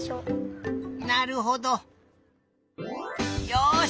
よし！